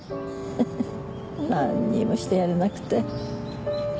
何にもしてやれなくて。